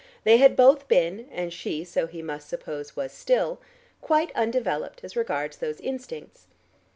They had both been, and she so he must suppose was still, quite undeveloped as regards those instincts.